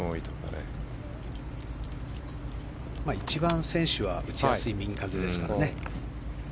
一番、選手は打ちやすい右風ですね。